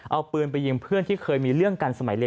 เอาปืนไปยิงเพื่อนที่เคยมีเรื่องกันสมัยเรียน